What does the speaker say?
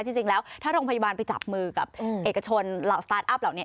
จริงแล้วถ้าโรงพยาบาลไปจับมือกับเอกชนเหล่าสตาร์ทอัพเหล่านี้